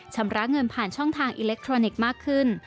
ชำระเงินผ่านช่องทางอิเล็กทรอนิกส์มากขึ้น